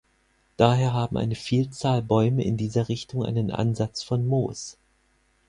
Daher haben eine Vielzahl Bäume in dieser Richtung einen Ansatz von Moos.